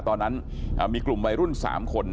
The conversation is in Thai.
ตอนนั้นมีกลุ่มวัยรุ่น๓คน